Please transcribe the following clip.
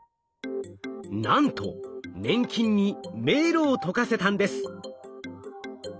なんと粘菌に迷路を解かせたんです！